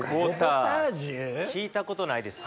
聞いたことないですよ。